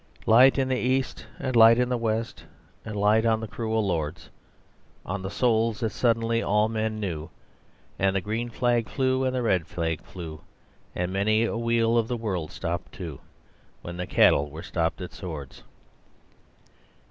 Light in the East and light in the West, And light on the cruel lords, On the souls that suddenly all men knew, And the green flag flew and the red flag flew, And many a wheel of the world stopped, too, When the cattle were stopped at Swords.